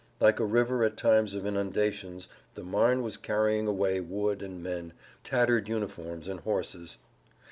Like a river at times of inundations the Marne was carrying away wood and men, tattered uniforms and horses.